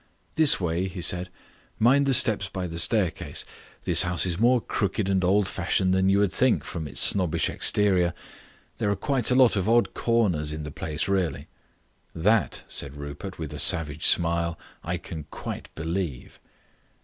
"This way," he said; "mind the steps by the staircase. This house is more crooked and old fashioned than you would think from its snobbish exterior. There are quite a lot of odd corners in the place really." "That," said Rupert, with a savage smile, "I can quite believe."